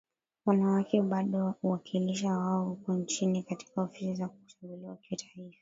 wanawake bado uwakilishi wao uko chini katika ofisi za kuchaguliwa kitaifa